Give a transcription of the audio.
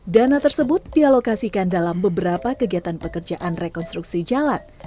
dana tersebut dialokasikan dalam beberapa kegiatan pekerjaan rekonstruksi jalan